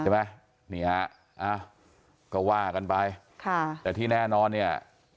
มานี้อ่ะความกันไปฮะจากที่แน่นอนเนี่ย